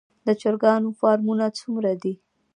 د چرګانو فارمونه څومره دي؟